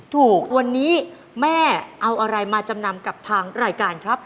ถูกวันนี้แม่เอาอะไรมาจำนำกับทางรายการครับ